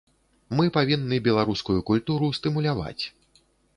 Мы павінны беларускую культуру стымуляваць.